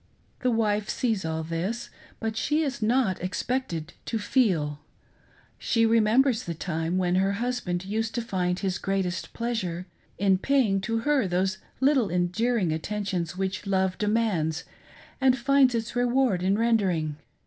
The wife sees all this, but she is not expected to feel. She remembers the time when her husband used to find his great est pleasure in paying to her those little endearing attentions which lov3 demands, and finds its reward in rendering.